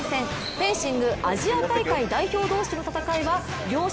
フェンシングアジア大会代表同士の戦いは両者